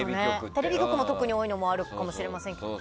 テレビ局も特に多いのもあるかもしれませんけど。